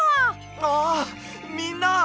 ああっみんな！